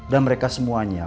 dan mereka semuanya